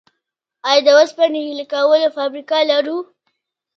آیا د وسپنې ویلې کولو فابریکه لرو؟